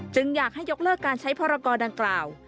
อยากให้ยกเลิกการใช้พรกรดังกล่าว